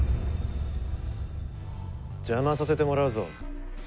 じゃまさせてもらうぞ。